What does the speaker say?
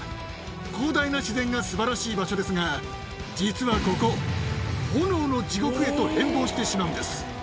広大な自然がすばらしい場所ですが、実はここ、炎の地獄へと変貌してしまうんです。